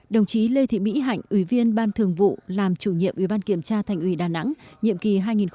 đồng chí lê thị mỹ hạnh ủy viên ban thường vụ làm chủ nhiệm ủy ban kiểm tra thành ủy đà nẵng nhiệm kỳ hai nghìn hai mươi hai nghìn hai mươi năm